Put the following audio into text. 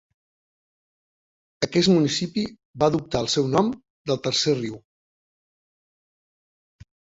Aquest municipi va adoptar el seu nom del Tercer Riu.